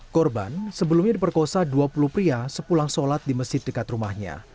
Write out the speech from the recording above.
korban sebelumnya diperkosa dua puluh pria sepulang sholat di masjid dekat rumahnya